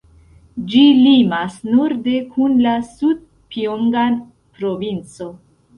Ĝi limas norde kun la Sud-Pjongan provinco.